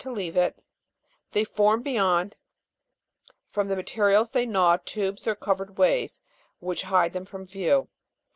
to leave it, they form beyond, from the materials they gnaw, tubes or covered ways which hide them from view.